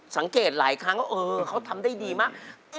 สังเกตหลายครั้งเขาทำได้ดีมาก